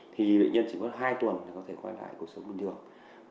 thì lệ nhân chỉ có hai tuần để có thể quay lại cuộc sống bình thường